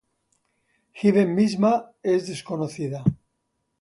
Heaven misma es desconocida.